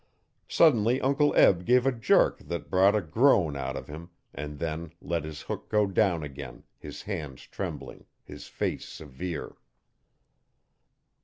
Suddenly Uncle Eb gave a jerk that brought a groan out of him and then let his hook go down again, his hands trembling, his face severe.